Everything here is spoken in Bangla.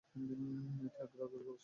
এটি আগ্রা দুর্গে অবস্থিত।